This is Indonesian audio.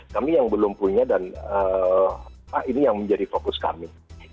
kami yang belum punya dan ini yang menjadi fokus kami